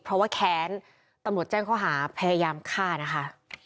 เพราะว่าแค้นตำรวจแจ้งข้อหาพยายามฆ่านะคะ